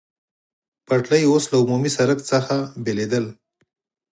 پټلۍ اوس له عمومي سړک څخه بېلېدل.